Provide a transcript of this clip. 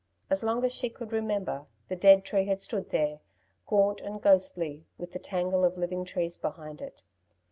As long as she could remember the dead tree had stood there, gaunt and ghostly, with the tangle of living trees behind it.